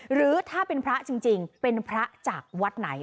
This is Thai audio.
หรือถ้าเป็นพระจริงเป็นพระจากวัดไหน